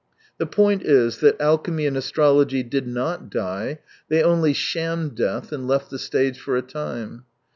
The point is that alchemy and astrology did not die, they only shammed death and left the stage for a time.